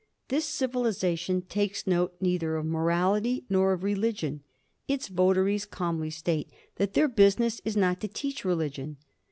This civilization takes note neither of morality nor of religion. Its votaries calmly state that their business is not to teach religion.